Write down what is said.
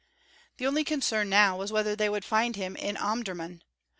The only concern now was whether they would find him in Omdurmân.